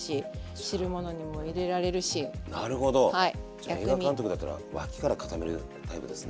じゃあ映画監督だったら脇からかためるタイプですね。